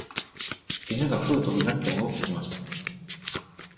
犬がふうと唸って戻ってきました